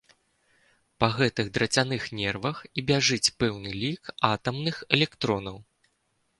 Па гэтых драцяных нервах і бяжыць пэўны лік атамных электронаў.